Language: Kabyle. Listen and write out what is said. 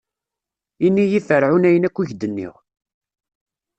Ini i Ferɛun ayen akk i k-d-nniɣ.